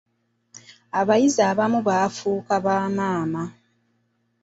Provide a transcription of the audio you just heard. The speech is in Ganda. Abayizi abamu bafuuka ba maama.